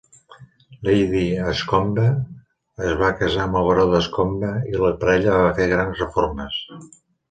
Lady Ashcombe es va casar amb el baró d'Ashcombe i la parella va fer grans reformes.